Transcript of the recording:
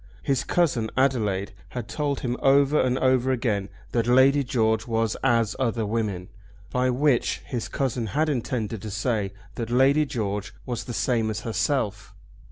His cousin Adelaide had told him over and over again that Lady George was as other women, by which his cousin had intended to say that Lady George was the same as herself.